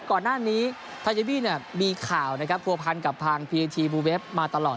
ก่อนหน้านี้ทาเยบีมีข่าวผัวพันกับพางพีเอทีบูเวฟมาตลอด